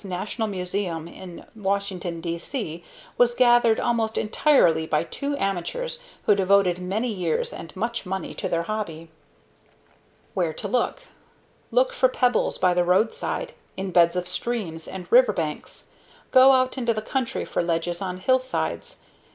National Museum in Washington, D.C., was gathered almost entirely by two amateurs who devoted many years and much money to their hobby. Where To Look Look for pebbles by the roadside, in beds of streams and riverbanks. Go out into the country for ledges on hillsides.